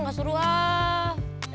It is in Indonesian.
gak suruh ah